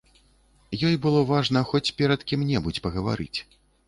Ёй было важна хоць перад кім-небудзь пагаварыць.